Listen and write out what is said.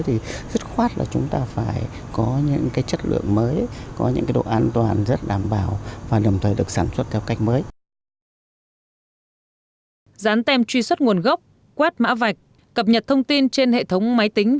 thì rất khoát là chúng ta phải có những cái chất lượng mới có những cái độ an toàn rất đảm bảo và đồng thời được sản xuất theo cách mới